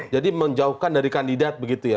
jadi menjauhkan dari kandidat begitu ya